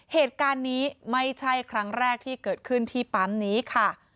เหตุการณ์นี้ไม่ใช่ครั้งแรกที่เกิดขึ้นที่ปั๊มนี้ค่ะ